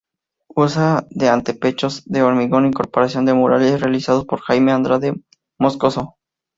Uso de antepechos de hormigón, incorporación de murales realizados por Jaime Andrade Moscoso.